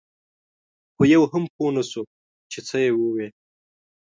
خو یو هم پوی نه شو چې څه یې ووې.